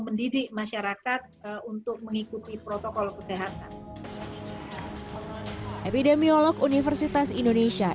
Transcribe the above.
mendidik masyarakat untuk mengikuti protokol kesehatan epidemiolog universitas indonesia